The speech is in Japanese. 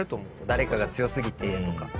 誰かが強過ぎてとか。